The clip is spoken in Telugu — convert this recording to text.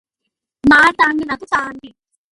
మార్తాండునకు కాంతి